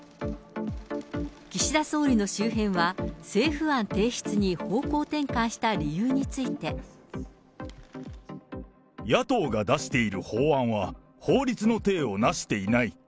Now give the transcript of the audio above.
岸田総理の周辺は、政府案提出に方向転換した理由について。野党が出している法案は、法律の体をなしていない。